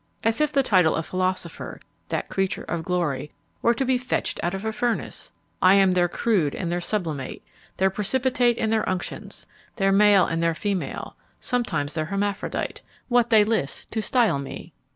As if the title of philosopher, that creature of glory, were to be fetched out of a furnace! I am their crude and their sublimate, their precipitate and their unctions; their male and their female, sometimes their hermaphrodite what they list to style me!